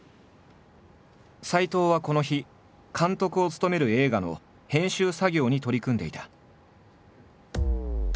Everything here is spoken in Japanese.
斎藤はこの日監督を務める映画の編集作業に取り組んでいた。